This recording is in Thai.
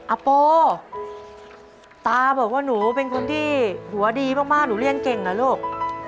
อาโปตาบอกว่าหนูเป็นคนที่หัวดีมากหนูเรียนเก่งเหรอลูก